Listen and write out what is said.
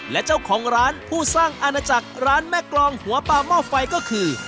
และเจ้าของร้านผู้สร้างอาณาจักรร้านแม่กรองหัวปลาหม้อไฟก็คือ